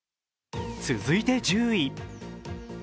続いて１０位。